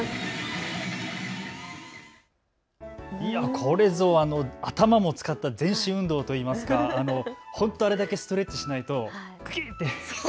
これぞ頭も使った全身運動といいますかあれだけストレッチをしないとグキッと。